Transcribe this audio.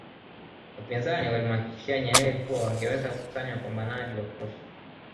Wapinzani walimhakikishia Nyerere kuwa wangeweza kukusanya wapambanaji wa kutosha